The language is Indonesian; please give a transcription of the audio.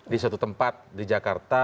di satu tempat di jakarta